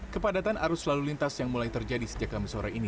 kepadatan arus lalu lintas yang mulai terjadi sejak kami sore ini